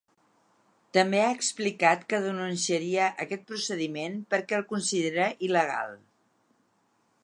També ha explicat que denunciaria aquest procediment perquè el considera il·legal.